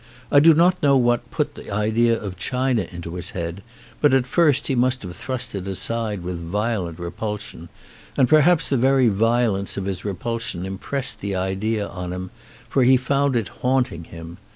I do not know what put the idea of China into his head, but at first he must have thrust it aside with violent repulsion; and perhaps the very violence of his repulsion im pressed the idea on him, for he found it haunting him.